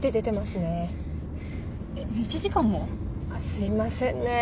すいませんね。